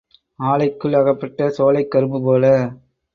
ஆலைக்குள் அகப்பட்ட சோலைக் கரும்பு போல.